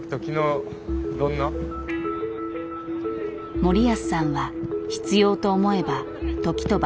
森保さんは必要と思えば時と場所を選ばず